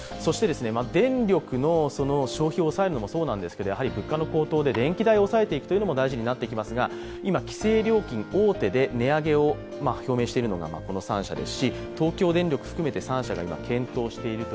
電力の消費を押さえるのもそうなんですが、物価の高騰で電気代を抑えていくというのも大事になってきますが今、規制料金大手で値上げを表明しているのがこちらです。